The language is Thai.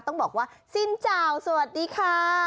ต้องบอกว่าสิ้นเจ้าสวัสดีค่ะ